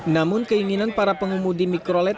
namun keinginan para pengemudi mikrolet